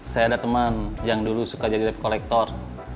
saya ada teman yang dulu suka jadi lab kolektor